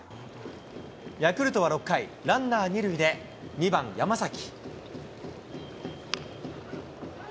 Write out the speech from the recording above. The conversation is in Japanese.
ヤクルトは６回、ランナー２塁で２番山崎。